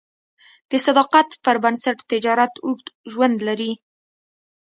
د صداقت پر بنسټ تجارت اوږد ژوند لري.